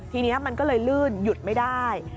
ทีนี้มันก็เลยลื่นหยุดไม่ได้